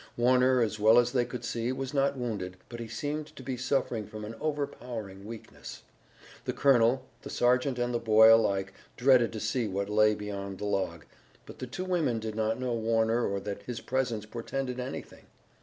Warner, as well as they could see, was not wounded, but he seemed to be suffering from an overpowering weakness. The colonel, the sergeant and the boy alike dreaded to see what lay beyond the log, but the two women did not know Warner or that his presence portended anything.